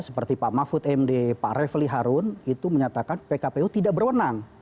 seperti pak mahfud md pak refli harun itu menyatakan pkpu tidak berwenang